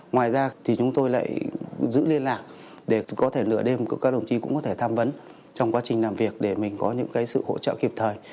ngoài ra thì chúng tôi lại giữ liên lạc để có thể lựa đêm các đồng chí cũng có thể tham vấn trong quá trình làm việc để mình có những sự hỗ trợ kịp thời